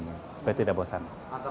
seperti tidak bosan